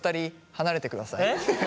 離れてください。